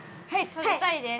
食べたいです！